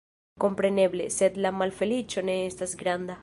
Kompreneble, sed la malfeliĉo ne estas granda.